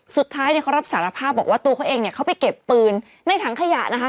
สุดท้ายเนี่ยเขารับสารภาพบอกว่าตัวเขาเองเนี่ยเขาไปเก็บปืนในถังขยะนะคะ